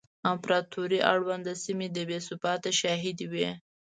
امپراتورۍ اړونده سیمې د بې ثباتۍ شاهدې وې